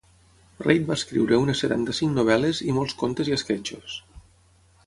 Reid va escriure unes setanta-cinc novel·les i molts contes i esquetxos.